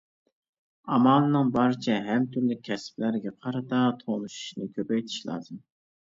ئامالنىڭ بارىچە ھەر تۈرلۈك كەسىپلەرگە قارىتا تونۇشۇشنى كۆپەيتىش لازىم.